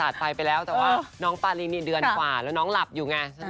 อะไรอย่างงี้ไม่ใช่